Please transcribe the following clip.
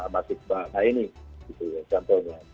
mas iqbal nah ini contohnya